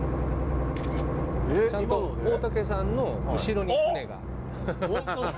ちゃんと大竹さんの後ろに舟が。